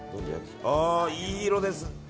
いい色です。